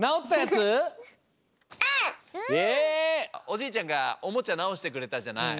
おじいちゃんがおもちゃなおしてくれたじゃない？